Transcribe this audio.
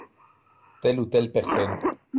Telle ou telle personne.